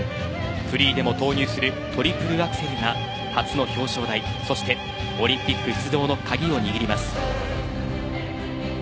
フリーでも投入するトリプルアクセルが初の表彰台そしてオリンピック出場の鍵を握ります。